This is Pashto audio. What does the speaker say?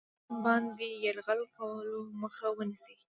پر هند باندي یرغل کولو مخه ونیسي.